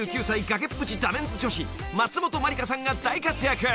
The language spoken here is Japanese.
崖っぷちダメンズ女子松本まりかさんが大活躍］